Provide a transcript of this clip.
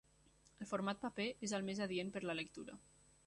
El format paper és el més adient per a la lectura.